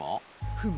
フム。